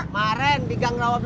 maren di gang rawabik sembilan